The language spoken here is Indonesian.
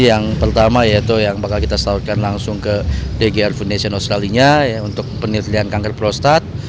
yang pertama yaitu yang bakal kita salurkan langsung ke dgr foundation australia untuk penelitian kanker prostat